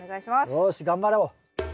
よし頑張ろう。